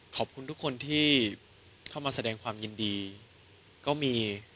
ขอบคุณทุกคนที่เข้ามาแสดงความยินดีก็มี